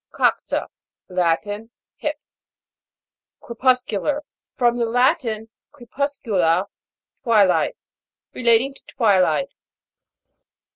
COX'A. Latin. Hip. CREPUS'CULAR. From the Latin, cre puscula, twilight. Relating to twilight.